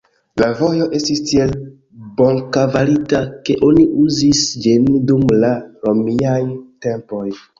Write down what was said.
La vojo estis tiel bonkvalita, ke oni uzis ĝin dum la romiaj tempoj.